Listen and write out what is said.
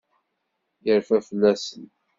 Yerfa fell-asen.